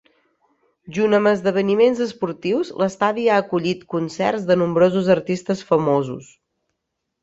Junt amb esdeveniments esportius, l'estadi ha acollit concerts de nombrosos artistes famosos.